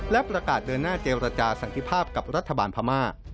และประกาศเดินหน้าเจรจาสันติภาพกับรัฐบาลพม่า